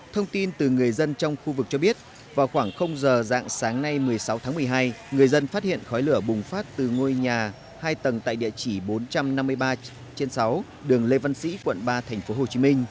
thông tin từ người dân trong khu vực cho biết vào khoảng giờ dạng sáng nay một mươi sáu tháng một mươi hai người dân phát hiện khói lửa bùng phát từ ngôi nhà hai tầng tại địa chỉ bốn trăm năm mươi ba trên sáu đường lê văn sĩ quận ba tp hcm